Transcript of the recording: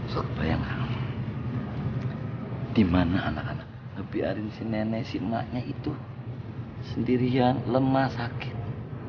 supaya enggak di mana anak anak lebih arins nenek sinanya itu sendirian lemah sakit